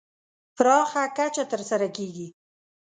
پراخه کچه تر سره کېږي.